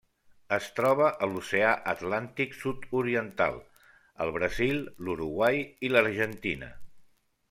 Es troba a l'Oceà Atlàntic sud-oriental: el Brasil, l'Uruguai i l'Argentina.